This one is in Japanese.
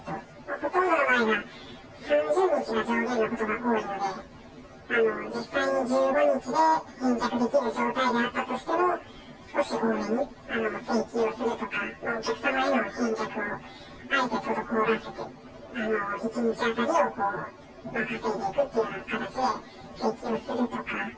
ほとんどの場合が３０日が上限のことが多いので、実際に１５日で返却できる状況であったとしても、少し多めに請求をするとか、お客様への返却をあえて滞らせて、１日当たりを稼いでいくというような形で請求をするとか。